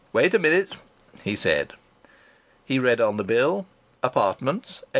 "Wait a minute," he said. He read on the bill: "Apartments, £8.